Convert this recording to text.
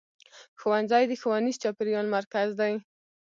ښوونځی د ښوونیز چاپېریال مرکز دی.